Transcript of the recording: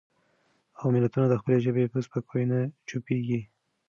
او ملتونه د خپلې ژبې په سپکاوي نه چوپېږي.